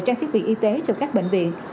trang thiết bị y tế cho các bệnh viện